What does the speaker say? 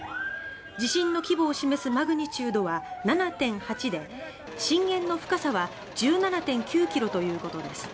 地震の規模を示すマグニチュードは７．８で震源の深さは１７．９ｋｍということです。